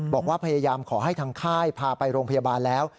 บอกว่าพยายามขอให้ทางค่ายพาไปโรงพยาบาลแล้ว